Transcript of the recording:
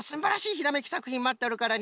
ひらめきさくひんまっとるからね。